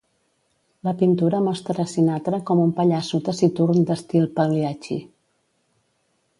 La pintura mostra Sinatra com un pallasso taciturn d'estil Pagliacci.